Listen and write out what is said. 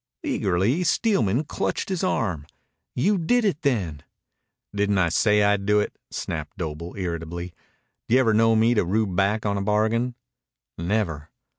Eagerly Steelman clutched his arm. "You did it, then?" "Didn't I say I'd do it?" snapped Doble irritably. "D'ya ever know me rue back on a bargain?" "Never."